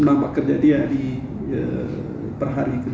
apa kerja dia per hari